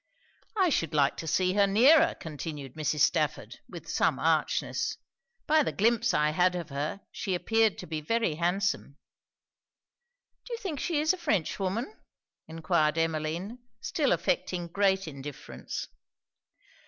'I should like to see her nearer,' continued Mrs. Stafford, with some archness 'By the glympse I had of her she appeared to be very handsome.' 'Do you think she is a French woman?' enquired Emmeline, still affecting great indifference.